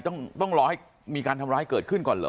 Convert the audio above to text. ต้องรอให้มีการทำร้ายเกิดขึ้นก่อนเหรอ